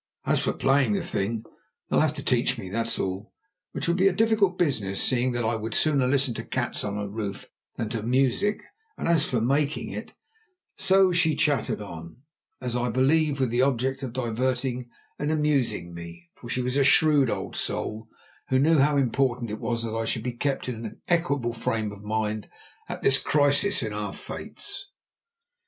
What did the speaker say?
As for playing the thing, they will have to teach me, that's all, which will be a difficult business, seeing that I would sooner listen to cats on the roof than to music, and as for making it—" So she chattered on, as I believe with the object of diverting and amusing me, for she was a shrewd old soul who knew how important it was that I should be kept in an equable frame of mind at this crisis in our fates.